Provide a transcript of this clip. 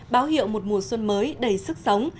báo hiệu một mùa xuân mới đầy sức sống